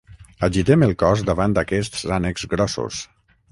Agitem el cos davant d'aquests ànecs grossos.